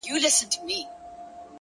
اخلاق د نوم له شهرت نه لوړ دي.